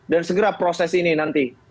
segera proses ini nanti